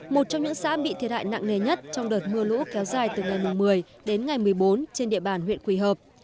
một trong những xã bị thiệt hại nặng nề nhất trong đợt mưa lũ kéo dài từ ngày một mươi đến ngày một mươi bốn trên địa bàn huyện quỳ hợp